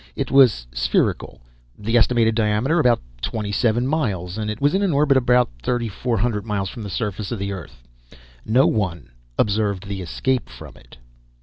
It was spherical, the estimated diameter about twenty seven miles, and was in an orbit approximately 3400 miles from the surface of the Earth. No one observed the escape from it.